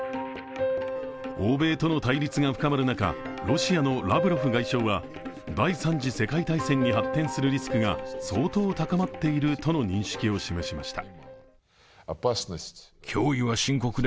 欧米との対立が深まる中、ロシアのラブロフ外相は第三次世界大戦に発展するリスクが相当高まっているとの認識を示しました。